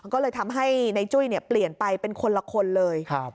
ก็เลยทำให้ในจุ้ยเปลี่ยนไปเป็นคนละคนเลย